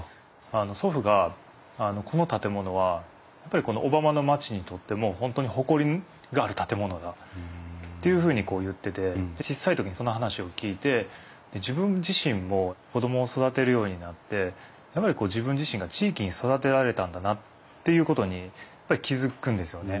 あの祖父がこの建物はやっぱりこの小浜の町にとっても本当に誇りがある建物だというふうに言ってて小さい時にその話を聞いて自分自身も子供を育てるようになってやっぱり自分自身が地域に育てられたんだなということに気付くんですよね。